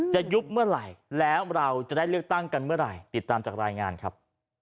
ยุบเมื่อไหร่แล้วเราจะได้เลือกตั้งกันเมื่อไหร่ติดตามจากรายงานครับ